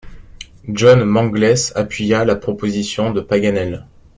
John Mangles appuya la proposition de Paganel.